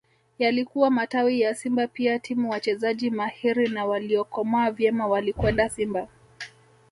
Yalikuwa matawi ya Simba pia timu wachezaji mahiri na waliokomaa vyema walikwenda Simba